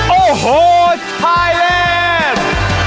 โอ้โหชายแลนด์